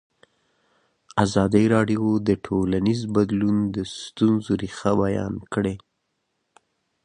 ازادي راډیو د ټولنیز بدلون د ستونزو رېښه بیان کړې.